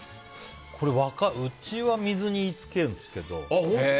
うちは水につけるんですけど。